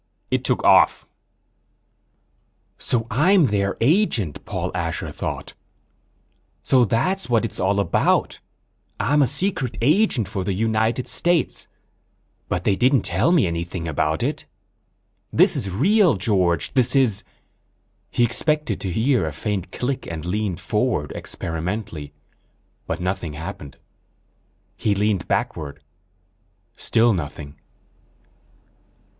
It took off." _So I'm their agent, Paul Asher thought. So that's what it's all about. I'm a secret agent for the United States, but they didn't tell me anything about it. This is real George, this is ... He expected to hear a faint click and leaned forward experimentally, but nothing happened. He leaned backward. Still nothing.